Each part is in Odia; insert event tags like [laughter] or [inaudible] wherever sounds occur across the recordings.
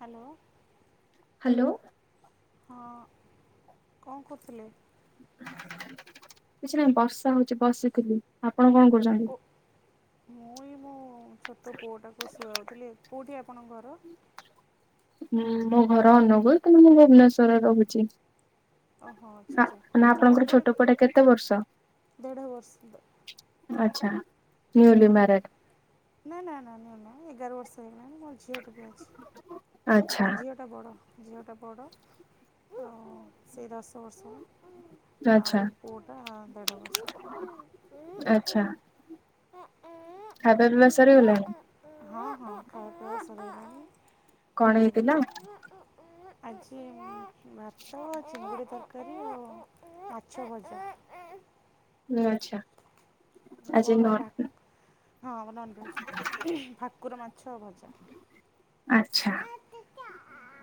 ହ୍ୟାଲୋ! ହ୍ୟାଲୋ! ହଁ କଣ କରୁଥିଲେ? କିଛି ନାହିଁ ବର୍ଷା ହଉଛି, ବସଥିଲଥିଲି ଆପଣ କଣ କରୁଛନ୍ତି? ମୁଇଁଇ ମୋ ଛୋଟ ପୁଅଟାକୁ ଶୁଆଉଥିଲି, କୋଉଠି ଆପଣଙ୍କ ଘର? ହୁଁ ମୋ ଘର ଅନୁଗୁଳ କଣଲେ ମୁଁ ଭୁବନେଶ୍ଵରରେ ରହୁଛି। ଓହୋ ଆଚ୍ଛା ଆ- ଆଚ୍ଛା ନା ଆପଣଙ୍କର ପଢ଼ାପଢ଼ି ଛୋଟ ପୁଅଟା କେତେ ବର୍ଷ ଦେଢ଼ ବର୍ଷ ଆଛା। ମାନେ ନା ନା ନା ନଅ ନା ଏଗାର ବର୍ଷ ହେଇଗଲାଣି ମୋର ଝିଅ ଟ ବିି ଅଛି। ଆଚ୍ଛା ଝିଅଟା ବଡ଼ ଝିଅଟା ବଡ଼ ଆଉ ସେ ଦଶ ବର୍ଷ ଆ ଆଚ୍ଛା ପଟ ଦଢ ବସ ଆଚ୍ଛା ଖାଇବା ବିିବା ସାରଲା! ହଁ ହଁ [inaudible] କଣ ହେଇଥିଲା! ଆଜି ଭାତ ଚିଙ୍ଗୁଡ଼ି ଦରକାର ଆଉ ଆଛ ବ ହଁ ଆଚ୍ଛା ଆଜି ନ ବଡ଼ ହଁ ନନ୍ଭେଜା କୁକୁରମାଛ ଭଜା। ଆଚ୍ଛା।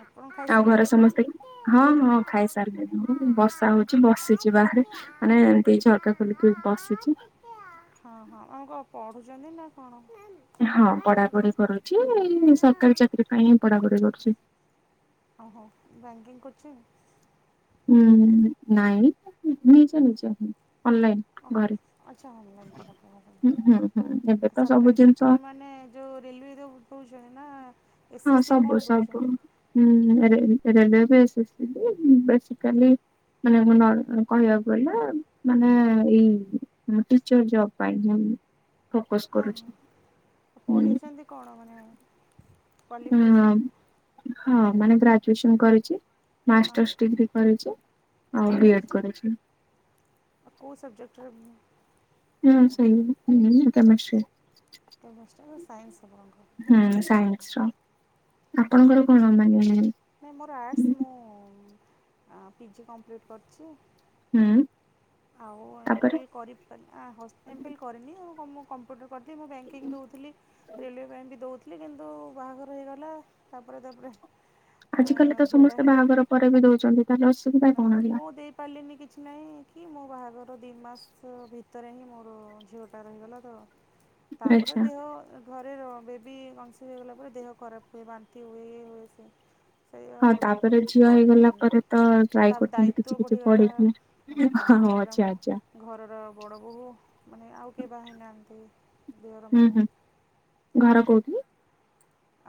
ଆପଣ ଆଉ ଘର ଖାଇସାରିଲେଣି ସମସ୍ତେ ହଁ ହଁ ହଁ। ଖାଇସାରିଲେଣିି ବସା ହଉଚି ବସିଛି ବାହାରେ ମାନେ ଏମିତି ଝରକା ଖୋଲିକି ବସିଛି ହଁ ହଁ ଆମ କଣ ପଢୁଛନ୍ତି ନା କଣ? ହଁ ପଢାପଢି କରୁଛି ସରକାରୀ ଚାକିରି ପାଇଁ ହିଁ ପଢାପଢି କରୁଛି। ଓହୋ ବ୍ୟାଙ୍କିଂ କରଛି। ହୁଁ ନାଇଁ ନିଜେ ନିଜେ ଅନଲାଇନ ଘରେ ଆଛା ହୁଁ ହୁଁ ହୁଁ ଏବେ ତ ସବୁ ସରକାରୀ ଜିନିଷ ଚାକିରି ମାନେ ଯୋଉ ରେଲହୁ ନା ଏସ୍ ହଁ ଏସ୍ ସି ସବୁ କ'ଣ ସବୁ ଦଉଛନ୍ତି ହୁଁରେ ଏରେ ବସି ବେସିକଲି ମାନେ କହିବାକୁ ଗ ମାନେ ଏଇର ଜବ ପାଇଁ ଫୋକସ ହଁ କରୁଛି ହଁ ପଢିଛନ୍ତି କଣ ମାନେ ହ କ୍ୱାଲିଫିକେସନ୍ ହଁ ମାନେ ଗ୍ରାଜୁଏସନ କରିଛି। ହଁ ମାଷ୍ଟର୍ସ ଡିଗ୍ରୀ କରିଛି ଆଉ ଆଚ୍ଛା ବି ଏଡ୍ ଆଚ୍ଛା କରିଛି। ଆଉ [inaudible] ହୁଁ ସେଇ ହଁ କେମେଷ୍ଟ୍ରି। ତ ବଶଟ ସାଇନ୍ସ ଆପଡ଼ଙ୍କ ହୁଁ ସାଇନ୍ସ ର ଆପଣଙ୍କର ଆଚ୍ଛା କଣ ମାନେ ନାଇଁ ମୋର ଆଡ଼ସ୍ ହୁଁ ମୁଁ ପିଜି କମ୍ପ୍ଲିଟ୍ କରୁଛି। ହୁଁ। ଆଉ ଏମ ଫିଲ୍ କରି ଏମଫିଲ୍ କରିନି ଆଉ କମ୍ପୁଟର କରିଥିଲ ମୁଁ ବ୍ୟାଙ୍କିଙ୍ଗ୍ ଦଉଥିଲି ରେଲୱେ ପାଇଁ ବି ଦଉଥିଲି କିନ୍ତୁ ବାହାଘର ହେଇଗଲା ତାପରେ ତାପରେ ଆଜିକାଲି ତ ଝିଅଟା ସମସ୍ତେ ବାହାଘର ପରେ ବି ଦଉଛନ୍ତି ତାହେଲେ ଅସୁବିଧା ନା କଣ ହେଲା? ମୁଁ ଦେଇ ପାରିଲିନି କିଛି ନାଇଁ କି ମୋ ବାହାଘର ଦିମାସ ଭିତରେ ହିଁ ମୋର ଝିଅଟା ରହିଗଲା ତ ତାପରେ ଆଚ୍ଛା ଦେହ ଘରେ ର ବେବି ଗଂସି ରହିଗଲା ପରେ ଦେହ ଖରାପ ହୁଏ ବାନ୍ତି ହୁଏ ଇଏ ହୁଏ ସିଏ ହଁ ତାପରେ ଝିଅ ହେଇଗଲା ପରେ ତ ଟ୍ରାଏ କରୁଥାନ୍ତୁ କିଛି କିଛି ପଢେଇକି ହମ୍ ହଁ ତାପରେ ଆଉ ମୁଁ ଘରର ବଡ଼ ବୋହୂ ମାନେ ଆଉ କେହି ବାହା ହେନାହାନ୍ତି। ଉଁ ହୁଁ ଘର କୋଉଠି?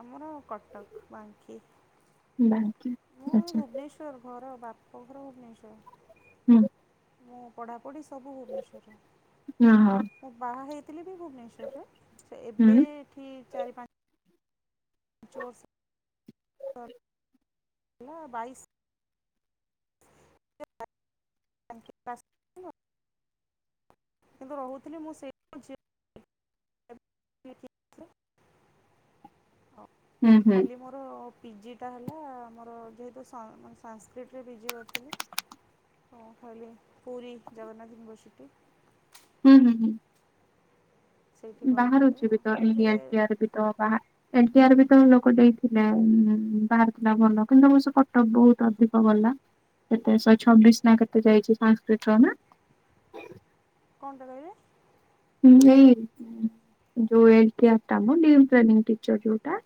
ଆମର କ ଟକ ବାଙ୍କି ବାଙ୍କି ମୁଁ ଆଚ୍ଛା ଭୁବନେଶ୍ଵର ଘର ବା ମୋ ଘର ଭୁବନେଶ୍ୱର। ହୁଁ। ମୁଁ ପଢାପଢି ସବୁ ହଁ ହଁ ଭୁବନେଶ୍ବରରେ ମୁଁ ବାହାହେଇ ଥିଲି ବି ଭୁବନେଶ୍ୱରରେ ସେ ଏବେ ହୁଁ ଏଠି ଚାରି ପା ଜୋର୍ ସେ ଅର୍ ହେଲା ବାଇଶ୍ [inaudible] କିନ୍ତୁ ରହୁଥିଲି ମୁଁ ସେଇ [inaudible] ଅ ହୁଁ ଆଉ ହୁଁ ଖାଲି ମୋର ପିଜିଟା ହେଲା ଆମର ଯେହେତୁ ସା ମାନେ ସାସ୍କ୍ରିଟରେ ପିଜି କରିଥିଲି ଓ ଖାଲି ପୁରୀ ଜଗନ୍ନାଥ ୟୁନିଭର୍ସିଟି ହୁଁ ହୁଁ ହୁଁ। ହୁଁ ସେଇଠି କରିଥିଲି ବାହାରୁଚି ଆଉ। ଏବେତ ଏ ଲି ଏବେ ଆର୍ ଟି ଆର୍ ବିତ ବାହା ଏଲ୍ ୟାର ବି ତ ଲୋକ ଦେଇଥିଲା ଉମ୍ ବାହାରୁଥୁଲା ଭଲ କିନ୍ତୁ ଏ ବର୍ଷ କଟପ୍ ବୋହୁତ ଅଧିକ ଗଲା। କେତେ ଶହେ ଛବିଶ ନା କେତେ ଯାଇଚି ସାନସ୍କ୍ରିଟର ନା? କଣଟା କହିଲେ? ଏଇ ଯୋଉ ଏଲ୍ ଟି ଆର୍ ଟା ମ ଡି ଏମପ୍ଲୟମିଙ୍ଗ୍ ଟିଚର୍ ଯୋଉଟା।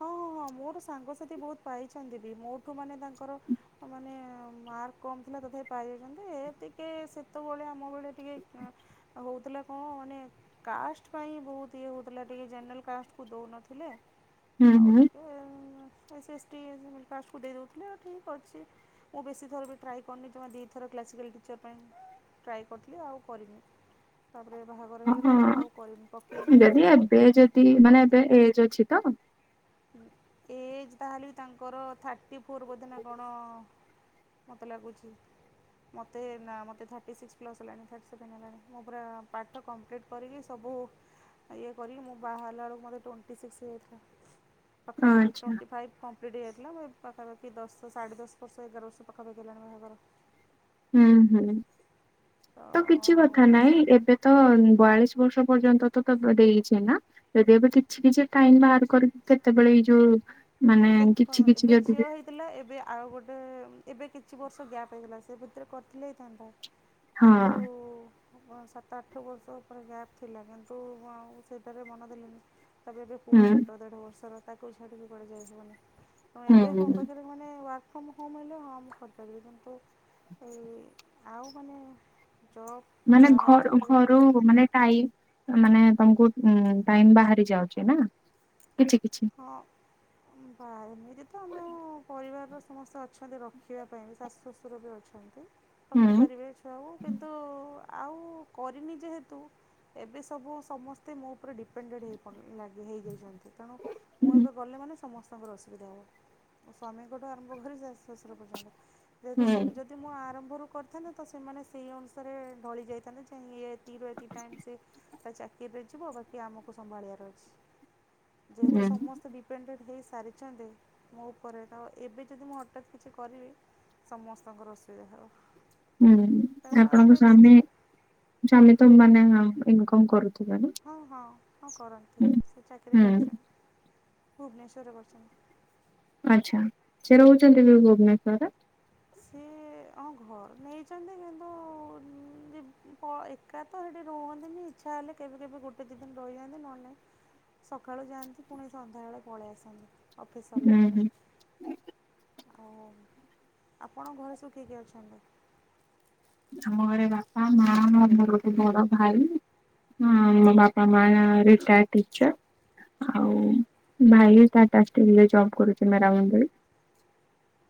ହଁ ହଁ ହଁ ହଁ ମୋର ସାଙ୍ଗସାଥି ବୋହୁତ ପାଇଚନ୍ତି ବି ମୋଠୁ ମାନେ ତାଙ୍କର ମାନେ ମାର୍କ କମ୍ ଥିଲା। ତଥାପି ପାଇଯାଇଚନ୍ତି ଏ ଟିକେ ସେତବେଳେ ଆମ ଭଳିଆ ଟିକେ ଅଁ ହୋଉଥୁଲା କଣ ମାନେ କାଷ୍ଟ୍ ପାଇଁ ବୋହୁତ ଇଏ ହୋଉଥୁଲା ଟିକେ ଜେନେରାଲ କାଷ୍ଟକୁ ଦୋଉନଥିଲେ। ହୁଁ ଆଉ ହୁଁ। ଟିକେ ଏମ ଏସିଏସଟି କାଷ୍ଟକୁ ଦେଇ ଦୋଉଥିଲେ ଆଉ ଠିକ ଅଛି ମୁଁ ବେଶୀ ଥର ବି ଟ୍ରାଏ କରନି ଜମା ଦିଥର କ୍ଲାସିକାଲ୍ ଟିଚର୍ ପାଇଁ ଟ୍ରାଏ କରିଥିଲି ଆଉ କରିନି। ତାପରେ ବାହାଘର ହେଇଗଲା ତ ଆଉ କରିନି ହଁ ପକେଇନି ଯଦି ମାନେ ଏବେ ଯଦି ମାନେ ଏବେ ଏଜ୍ ଅଛି ତ? ଉଁ ଏଜ୍ ଯାହେଲେ ବି ତାଙ୍କର ଥାର୍ଟି ଫୋର୍ ବୋଧେ ନା କଣ ମତେ ଲାଗୁଛି। ମତେ ନା ମତେ ଥାର୍ଟି ସିକ୍ସ ପ୍ଲସ ହେଲାଣି ଥାର୍ଟି ସେଭେନ ହେଲାଣି ମୁଁ ପୁରା ପାଠ କମ୍ପ୍ଲିଟ କରିକି ସ ବୁ ଇଏ କରିକି ମୁଁ ବାହାହେଲା ବେଳକୁ ମତେ ଟ୍ୱେଣ୍ଟି ସିକ୍ସ ହେଇଯାଇଥିଲା। ପାଖାପାଖି ଆଚ୍ଛା ଟ୍ୱେଣ୍ଟି ଫାଇପ୍ କମ୍ ପ୍ଲିଟ୍ ହେଇଯାଇଥିଲା ମୋ ଏ ପାଖାପାଖି ଦଶ ସାଢ଼େଦଶ ବର୍ଷ ଏଗାର ବର୍ଷ ପାଖାପାଖି ହେଲାଣି ବାହାଘର। ହୁଁ ହୁଁ ତ କିଛି କଥା ନାହିଁ ଏବେ ତ ବୟାଳିଶ୍ ବର୍ଷ ପର୍ଯ୍ୟନ୍ତ ତ ତ ଦେଇଚି ନା ଯଦି ଏବେ କିଛି କିଛି ଟାଇମ ବାହାର କରିକି କେତେବେଳେ ଏଇ ଯୋଉ ମାନେ ଏଇ ଦେଖ କିଛି କିଛି ଏବେ ଯଦି ବି ଝିଅ ହେଇଥିଲା ଏବେ ଆଉ ଗୋଟେ ଏବେ କିଛି ବର୍ଷ ଗ୍ୟାପ୍ ହେଇଗଲା ସେ ଭିତରେ କରିଥିଲେ ହେଇଥାନ୍ତା ହଁ କିନ୍ତୁ ଆଉ କଁ ସାତ ଆଠ ବର୍ଷ ପରେ ଗ୍ୟାପ୍ ଥିଲା କିନ୍ତୁ ଆଉ ସେଇଟାରେ ମନ ଦେଲିନି। ତାପରେ ଏବେ ପୁଅ ହୁଁ। ଛୋଟ ଦେଢ଼ ବର୍ଷର ତାକୁ ବି ଛାଡ଼ିକି କୁଆଡେ ଯାଇହେବନି। ହଁ ଏବେ ମୋ ହୁଁ। ପାଖରେ ମାନେ ୱାର୍କ ଫ୍ରମ ହୋମ ହେଲେ ହଁ ମୁଁ କରିପାରିବି କିନ୍ତୁ ଏଇ ଆଉ ମାନେ ଜବ୍ ମାନେ ବାହାରେ ଘର ଚାକିରି ଘରୁ କରିବା ମାନେ ଟାଇପ୍ ମାନେ ତମକୁ ଉଁ ଟାଇମ ବାହାରି ଯାଉଚି ନା କିଛି କିଛି ଉଁ ହଁ ଏମିତି ତ ଆମ-ଅ-ଅ-ଅ ପରିବାରର ସମସ୍ତେ ଅଛନ୍ତି ରଖିବା ପାଇଁ ବି ଶାଶୁ ଶ୍ୱଶୁର ବି ଅଛନ୍ତି। ହୁଁ ରଖିପାରିବେ ଛୁଆକୁ। କିନ୍ତୁ-ଉ-ଉ-ଉ ଆଉ କରିନି ଯେହେତୁ ଏବେ ସବୁ ସମସ୍ତେ ମୋ ଉପରେ ଡିପେଣ୍ଡଏଡ ହେଇପଡି ଲାଗି ହେଇଯାଇଛନ୍ତି ତ ମୁଁ ହୁଁ। ଏବେ ଗଲେ ମାନେ ସମସ୍ତଙ୍କର ଅସୁବିଧା ହବ। ମୋ ସ୍ଵାମୀଙ୍କଠୁ ଆରମ୍ଭ କରି ଶାଶୁ ଶ୍ୱଶୁର ପର୍ଯ୍ୟନ୍ତ। ଯେହେତୁ ହୁଁ। ସେମ୍ ଯଦି ମୁଁ ଆରମ୍ଭରୁ କରିଥାନ୍ତେ ତ ସେମାନେ ସେଇ ଅନୁସାରେ ଢଳି ଯାଇଥାନ୍ତେ ଯେ ୟ ଏତିକି ରୁ ଟାଇମ୍ ସେ ତା ଚାକିରୀ ରେ ଯିବ ବାକି ଆମକୁ ସମ୍ଭାଳିବାର ଅଛି ହୁଁ ଯେହେତୁ ସମସ୍ତେ ଦିପେଣ୍ଡେଡ ହେଇ ସାରିଛନ୍ତି ମୋ ଉପରେ ତ ଏବେ ଯଦି ମୁଁ ହଠାତ୍ କିଛି କରିବି ସମସ୍ତଙ୍କର ଅସୁବିଧା ହେବ। ହୁଁ ତେଣୁ ତାପରେ ଆପଣଙ୍କ ଦିଦି ସ୍ବାମୀ ସ୍ବାମୀ ହଁ ତ ମାନେ ହଁ ଇନକମ କରୁ ହଁ ହଁ ହଁ କରନ୍ତି ସେ ଚାକିରି ହୁଁ କରୁଛନ୍ତି। ଭୁବନେଶ୍ଵରରେ କରୁଛନ୍ତି। ଆଛା ସେ ରହୁଛନ୍ତି ବି ଭୁବନେଶ୍ଵରେ? ସିଏ-ଏ-ଏ ହଁ ଘର ନେଇଛନ୍ତି କିନ୍ତୁ-ଉ-ଉ-ଉ ଦି କ ଏକା ତ ସେଇଠି ରୁହନ୍ତିନ ଛି ଇଚ୍ଛା ହେଲେ କେବେ କେବେ ଗୁଟେ ଦି ଦିନ ରଇଯାନ୍ତି ନହଲେ ନାଇଁ। ସକାଳୁ ଯାଆନ୍ତି ପୁଣି ସନ୍ଧ୍ୟା ବଳେ ପଳେଇ ଆସନ୍ତି। ଅଫିସ ସରିଲା ହୁଁ ପରେ ହୁଁ ଆଉ ଆପଣଙ୍କ ଘରେ ସବୁ କି କି ଅଛନ୍ତି? ଆମ ଘରେ ବାପା, ମା, ମୋ ମୋ [unintelligible] ର ଗୋଟେ ବଡ ଭାଇ। ହଁ ଆମ ବାପା ମାଜଣେ ରିଟାୟର୍ଡ ଟିଚର୍। ଆଉ ଭାଇ ଟାଟା ଷ୍ଟିଲ ରେ ଜବ୍ କରୁଛି ମେରାମଣ୍ଡୁଲି।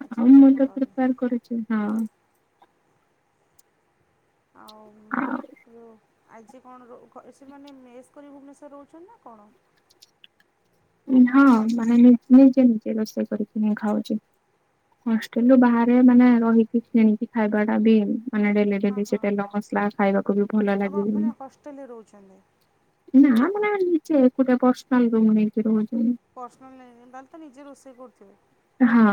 ଆଚ୍ଛା ଆଉ ମେରା ମୁଁ ତ ମଣ୍ଡଳରେ ପ୍ରିପାର କରୁଛି ହଁ। ଆଉ ଆଉ ଯେଉଁ ଆଜି କଣ ରୋ ସେମାନେ ମେସ୍ କରି ଭୁବନେଶ୍ଵର ରହୁଛନ୍ତି ନା କଣ? ନା ହଁ ରେଣ୍ଟ ମାନେ ନିଜେ ନିଜେ ରୋଷେଇ କରିକି। ହୁଁ ଖାଉଛି ହଷ୍ଟେଲ ରୁ ବାହାରେ ମାନେ ରହିକି କିଣିକି ଖାଇବା ଟା ବି ମାନେ ଡେଲି ହଁ ଡେଲି ସେ ହଁ ତେଲ ମସଲା ଖାଇବାକୁ ବି ଭଲ ଆମ ଲାଗିବନି। ମାନେ ହଷ୍ଟେଲରେ ରହୁଛନ୍ତି। ନା ମାନେ ନିଜେ ଗୋଟେ ପର୍ସନାଲ ରୁମ ନେଇକି ରହୁଛ ପର୍ସନାଲ ନେଇ ତାହେଲେ ତ ନିଜେ ରୋଷେଇ କରୁଥିବେ। ହଁ।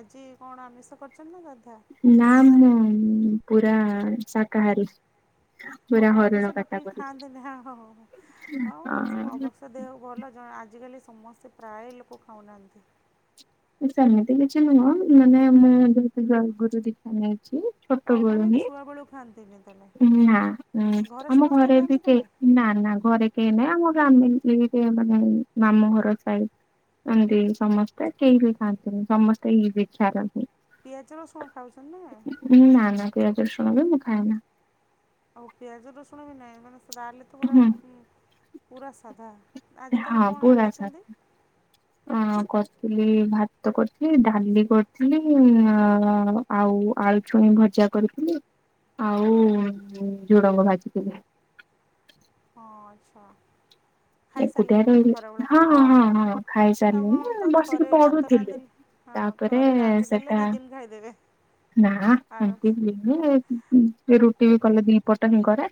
ଆଜି କଣ ଆମିଷ କରିଚ? ନା ମୁଁ-ଉ-ଉ-ଉ ପୁରା-ଆ-ଆ ଶାକାହାରୀ। ଓ ପୁରା ହୋ ହରିଣ ଆମିଷ ଟୋଟାଲ କାଟାଗୋରି। ଖାଆନ୍ତିନି, ହ ହଁ ହୋ ହଁ-ଅ-ଅ ଆଉ ଅ ଅବଶ୍ୟ ଦେହକୁ ଭଲ ଜଣ ଆଜିକାଲି ସେ ସମସ୍ତେ ପ୍ରାୟ ଲୋକ ଖାଉନାହାନ୍ତି। ସେମିତି କିଛି ନୁହଁ ମାନେ ମୁଁ ଯେହେତୁ ଜୟ ଗୁରୁ ଦୀକ୍ଷା ନେଇ ଛି ଓ ଛୋଟବେଳୁ ମାନେ ହିଁ, ଛୁଆବେଳୁ ଖାଆନ୍ତିନି ତାହେଲେ ନା ଉଁ ଆମ ସମସ୍ତେ ଘରେ ଏବେ ଖାଆନ୍ତି କି କେହି ନାହିଁ? ନା ନା ଘରେ କେହି ନାହିଁ ଆମର ଆମେ ଏଇ ମାନେ ମାମୁଁ ଘର ସାଇ ଏମିତି ସମସ୍ତେ କେହି ବି ଖଆନ୍ତିନି, ସମସ୍ତେ ଏଇ ଦିକ୍ଷାର ପିଆଜ ରସୁଣ ଖାଉଛନ୍ତି ନା ନାଇ? ନା ନା ପିଆଜ ରସୁଣ ବି ମୁଁ ଖାଇନା। ଆଉ ପିଆଜ ରସୁଣ ବି ନାହିଁ ମାନେ ତାହେଲେ ତ ପୁରା ହୁଁ ଉଁ ପୁରା ସାଧା। ଆଜି ତାହେଲେ ହଁ କଣ ପୁରା ରାନ୍ଧିଛନ୍ତି? ସାଧା ଅ କ ଲି ଭାତ କରିଥିଲି, ଡାଲି କରିଥିଲି, ଆ-ଆ-ଆ-ଆ ଆଉ ଆଳୁ ଛୁଇଁ ଭଜା ଜା କରିଥିଲି ହଁ ହଁ। ଆଉ-ଉ-ଉ ଝୁଡ଼ଙ୍ଗ ଭାଜିଥିଲି। ହଁ ଆଚ୍ଛା। ଏକୁଟିଆ ଖାଇସାରିଲେଣି ବୋଧେ ରହିଲ ଖରାବେଳ ହଁ ହଁ ହଁ ମୁଁ ହଁ ଆପଣ ତ ଖାଇସାରିଲଣିି ବସିକି ଥରେ ଭାତ ପଢୁଥିଲି। ରାନ୍ଧିଲେ ହଁ ତାପରେ ଥରେ ରାନ୍ଧିଦେଲେ ଦି ଦିନ ଖାଇଦେବେ। ନାଁ ଆରାମସେ [unintelligible] ରୁଟି ଏ ବି କଲେ ଦି ପଟ ହିଁ କରେ।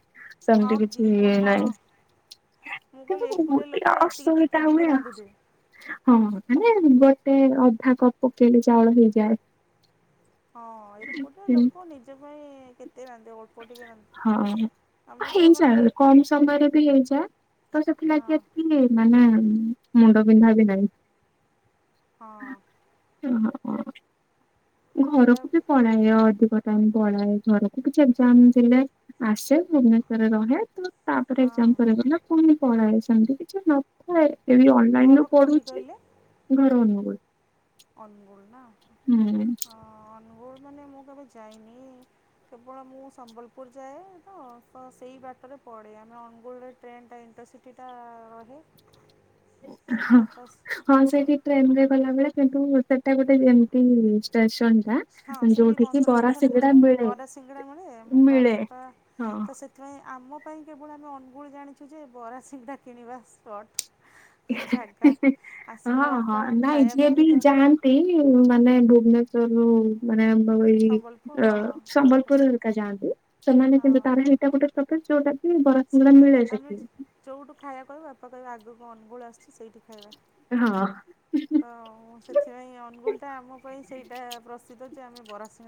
ହଁ ସେମିତି ଦି କିଛି ଇଏ ଗୁଣ ହଁ ନାହିଁ। ମୁଁ କହିଲି କିନ୍ତୁ ଉ ଏକୁଟିଆ ଏଇଟା ଲୋକଟା ଏତିକି ଟିକେ ଅସୁବିଧା ଟିକେ ହୁଏ ରାନ୍ଧୁଥିବେ। ହଁ ମାନେ ଉଁ ଗୋଟେ ଅଧା କପ ପକେଇଲେ ଚାଉଳ ହେଇଯାଏ। ହଁ ଏକୁଟିଆ ଲୋକ ନିଜ ପାଇଁ କେତେ ରାନ୍ଧିବ ଅଳ୍ପ ଟିକେ ରାନ୍ଧିବ। ହଁ ଆମେ ତ ମାନେ ହେଇଯାଏ କମ ସମୟରେ ବି ହେଇଯାଏ। ତ ହଁ ସେଥିଲାଗି ଏତିକି ମାନେ ମୁଣ୍ଡ ବିନ୍ଧା ବି ନାହିଁ। ହଁ ଓହୋ। ତ ଘରକୁ ବି ପଳାଏ ଅଧିକ ଟାଇମ୍ ପଳାଏ। ଘରକୁ କିଛି ଏଗଜାମ୍ ଦେଲେ ଆସେ ଭୁବନେଶ୍ଵରରେ ରହେ ତ ତାପରେ ଏଗଜାମ୍ ହଁ। ସରିଗଲେ ପୁଣି ପଳାଏ ସେମିତି କିଛି ନଥାଏ। ଏବେ ଘର ଅନଲାଇନରୁୁ କୋଉଠି ପଢୁଛି ଘର ଅନୁଗୁଳ। ଅନଗୁଳ ନା ହଁ ନୁଗୁଳ ମାନେ ମୁଁ କେବେ ଯାଇନି କେବଳ ମୁଁ ସମ୍ବଲପୁର ଯାଏ ତ ସ ସେଇ ବାଟରେ ପଡ଼େ ଆମେ ଅନୁଗୁଳରେ ଟ୍ରେନ ଟା ଇଣ୍ଟରସିଟି ଟା ରହେ। ହଁ ଆଉ ତ ହଁ ସେଇଠି ଟ୍ରେନ ରେ ଗଲାବେଳେ କିନ୍ତୁ ସେଟା ଗୋଟେ ଏମତି ଷ୍ଟେଚ ହଁ ସେଇଠି ପନ୍ଦର ମିନିଟ ଖଣ୍ଡେ ରୁହେ ମିଳେ ବରା ସିଙ୍ଗଡା ମିଳେ ମୋ ମିଳେ ବାପା ହଁ। ତ ସେଥିପାଇଁ ଆମ ପାଇଁ କେବଳ ଆମେ ଅନୁଗୁଳ ଜାଣିଛୁ ଯେ ବରା ସିଙ୍ଗଡ଼ା କିଣିବା ସ୍ପର୍ଟ। ଜାଗା। ଆସିଗଲା ହଁ ହଁ ବାପା ନାଇଁ ଖାଇବା ଯିଏ ପାଇଁ ବି ଯେତେବେଳେ ଯାଆନ୍ତି ମାନେ ଭୁବନେଶ୍ଵରରୁୁ ମାନେ ଆଉ ଏଇ ସମ୍ବଲପୁର ଅ ହଁ ସମ୍ବଲପୁର ହେରିକା ଯାଆନ୍ତି ସେମାନେ ହଁ କିନ୍ତୁ ତାର ଏଇଟା ଗୋଟେ ଷ୍ଟପେଜ୍ ଯୋଉଟା କି ବରା ସେ ସିଙ୍ଗଡା ମିଳେ ଆମେ ସେଠି। ଯୋଉଠୁ ଖାଇବା କହିବୁ ବାପା କହିବେ ଆଗକୁ ଅନୁଗୁଳ ଆସୁଛି। ସେଇଠି ଖାଇବା। ହଁ ତ ସେଥିପାଇଁ ଅନୁଗୁଳ ଟା ଆମ ପାଇଁ ସେଇଟା ପ୍ରସିଦ୍ଧ ଯେ ଆମେ ବରା ସି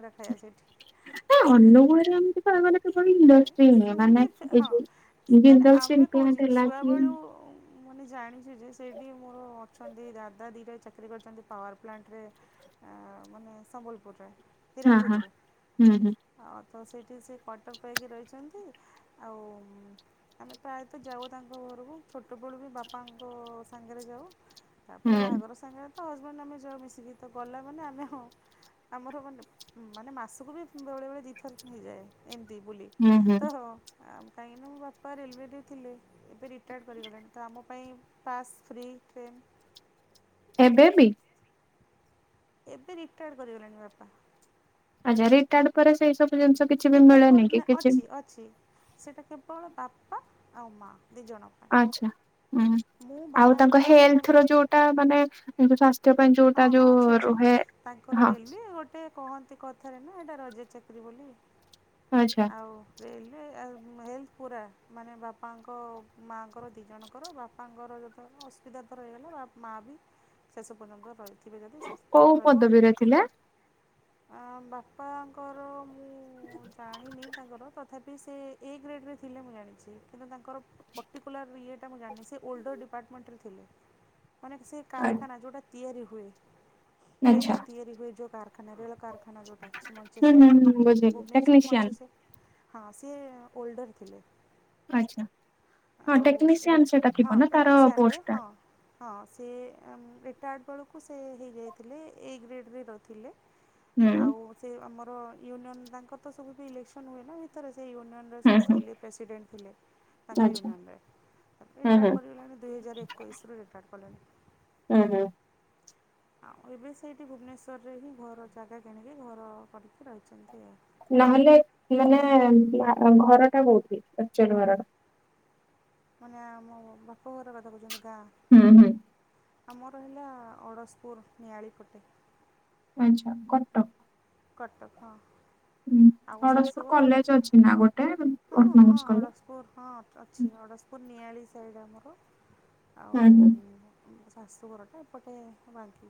ଏ ଅନୁଗୁଳରେ ଏମିତି ତ ମାନେ ଏତେ ବଡ ନାଇଁ ଇଣ୍ଡଷ୍ଟ୍ରି ନୁହେଁ ସେମିତି ମାନେ ଏଇ ହଁ ଯୋଉ ମାନେ ଜିନ୍ଦଲ ଷ୍ଟିଲ ପ୍ଲାଣ୍ଟ ହେଲା କି ମୁଁ ବି ଜାଣିଛି ଯେ ସେଇଠି ମୋର ଅଛନ୍ତି ଦାଦା ଦିଇଟା ଚାକିରି କରିଛନ୍ତି ପାୱାର ପ୍ଲାଣ୍ଟରେ। ଆ ମାନେ ସମ୍ବଲପୁରରେ। ହଁ ହଁ ହୀରାକୁଦରେ ହୁଁ ହୁଁ। ଆଉ ତ ସେଇଠି ସେ ପ ପାଇକି ରହିଛନ୍ତି ଆଉ ଆମେ ପ୍ରାୟତଃ ଯାଉ ତାଙ୍କ ଘରକୁ ଛୋଟବେଳୁ ବି ବାପାଙ୍କ ସାଙ୍ଗରେ ଯାଉ ତାପରେ ହୁଁ ବାହାଘର ସାଙ୍ଗରେ ତ ହଜବେଣ୍ଡ ଆମେ ଯ ମିଶିକି ତ ଗଲା ମାନେ ଆମେ ହଁ। ଆମର ମାନେ ମାନେ ମାସକୁ ବି ବେଳେ ବେଳେ ଦିଥାର ହେଇଯାଏ। ବୋଲି ହୁଁ ହୁଁ ତ ଆଉ କାହିଁକିନା ମୋ ବାପା ରେଲୱେରେ ଥିଲେ ଏବେ ରିଟାୟାର୍ କରିଗଲେଣି ତ ଆମ ପାଇଁ ପାସ୍ ଫ୍ରି ଟ୍ରେନ। ଏବେ ବିି? ଏବେ ରିଟାୟାର୍ କରିଗଲାଣି ବାପା। ଆଚ୍ଛା ରିଟଡ ପରେ ସେଇ ସବୁ ଜିନିଷ କିଛି ବି ରିଟାଡ ମିଳେନି କର କି ନା କିଛି ଅଛି ଅଛି ସେଟା କେବଳ ବାପା ଆଉ ମା। ଆଛା ହ ମୁଁ ବାହା ଆଉ ହେଲା ତାଙ୍କ ପରେ ମୋର ହେଲ୍ଥ ର ଯୋଉଟା ମାନେ ସସ୍ଥ ହଁ ହଁ ଅଛି ଅଛି ତାଙ୍କର ହଁ ରେଲୱେ ଗୋଟେ କହନ୍ତି କଥାରେ ନା ଏଇଟା ରଜ ଚାକିରରି ବୋଲି। ଆଚ୍ଛା। ଆଉ ରେଲୱେ ଆ ଏ। ପୁରା ମାନେ ବାପାଙ୍କ ମାଆଙ୍କର ଦି ଜଣଙ୍କର ବାପାଙ୍କର ଯଦ ଅସୁବିଧାର ହେଇ ମା ବି ଶେଷ ପର୍ଯ୍ୟନ୍ତ ଥିବେ ଯଦି ଶେଷ ପର୍ଯ୍ୟନ୍ତ କୋଉ ରହିବ ପଦବୀରେ ଥିଲେ? ଆ ବାପାଙ୍କର ମୁଁ ଜାଣିନି ତାଙ୍କର ତଥାପି ସେ ଏ ଗ୍ରେଡ଼୍ରେ ଥିଲେ ମୁଁ ଜାଣିଛି, କିନ୍ତୁ ତାଙ୍କର ପର୍ଟିକୁଲାର ଇଟା ମୁଁ ଜାଣିନି ସେ ଓଲ୍ଡର ଡିପାର୍ଟମେଣ୍ଟରେ ଥିଲେ। ଅନେକ ସେଇ ଆ କାରଖାନା ଯୋଉଟା ତିଆରି ହୁଏ। ଆଚ୍ଛା ଟ୍ରେନ ତିଆରି ହୁଏ ଯୋଉ କାରଖାନା, ରେଳ କାରଖାନା, ଯୋଉଟା ଅଛି ହୁଁ ମଞ୍ଚେଶ୍ୱର ହୁଁ ହୁଁ ରେ ଭୁବନେଶ୍ୱର ଟେକ୍ନିସିଆନ୍ ହଁ ସିଏ ଓଲଡର ଥିଲେ। ଆଛା। ଆଉ ହଁ ଟେକ୍ନିସିଆନ ରେ ପୋଷ୍ଟ ଟା ହଁ ହଁ ସେ ବଳ ଆ ହୁଁ [unintelligible] ୟୁନିୟନ ତାଙ୍କର ତ ସବୁ ଇଲେକ୍ସନ ହୁଏ ନା ଭିତରେ? ସେ ୟୁନିଅନ ର ସେ ହୁଁ ହୁଁ ଥିଲେ ପ୍ରେସିଡେଣ୍ଟ ଥିଲେ, ତାଙ୍କ ଆଚ୍ଛା। ୟୁନିଅନରେ ହୁଁ ରିଟାଡ ହୁଁ କରିଗଲେଣି, ଦୁଇ ହଜାର ଏକୋଇଶ ରେ ରିଟାଡ଼ କଲେଣି। ହୁଁ, ହୁଁ ଆଉ ଏବେ ସେଇଠି ଭୁବନେଶ୍ୱରରେ ହିଁ ଘର, ଜାଗା କିଣିକି ଘର କରିକି ରହିଛନ୍ତି ଆଉ ନହେଲେ ମାନେ ଘର ଟା କୋଉଠି? ଆକଚୁଆଲି ଘରଟା ମାନେ ଆମ ବାପ ଘର କଥା କହୁଚନ୍ତି। ହୁଁ ହୁଁ। ଆମର ହେଲା ଅଡ଼ଶପୁର ନିଆଳି ପଟେ ଆଛା କଟକ। କଟକ, ହଁ ହୁଁ। ଆଉ ହରଜପୁର ଶାଶୁଘର, ଏ, କଲେଜ ଅଛି ନା ଗୋଟେ ହଁ ହଁ ଅଟୋନମସ କଲେଜ। ଅଢଶପୁର ହଁ ଅଛି, ହୁଁ ଅଢଶପୁର ନିଆଳି ସେଇଡା ଆମର, ଆଉ ହୁଁ। ଶାଶୁଘରଟା ଏପଟେ ବାଙ୍କି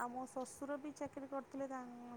ଆଉ ମୋ ଶ୍ୱଶୁର ବି ଚାକିରି କରିଥିଲେ, ତାଙ୍କ